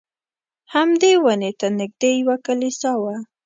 همدې ونې ته نږدې یوه کلیسا وه.